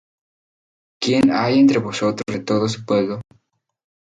¿Quién hay entre vosotros de todo su pueblo?